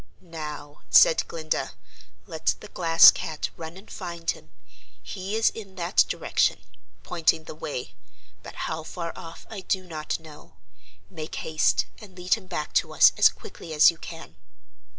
"Now," said Glinda, "let the Glass Cat run and find him. He is in that direction," pointing the way, "but how far off I do not know. Make haste and lead him back to us as quickly as you can."